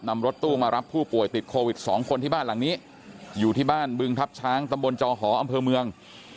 รถตู้มารับผู้ป่วยติดโควิดสองคนที่บ้านหลังนี้อยู่ที่บ้านบึงทัพช้างตำบลจอหออำเภอเมือง